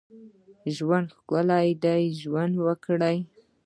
ژوند ښکلی دی ، ژوند وکړئ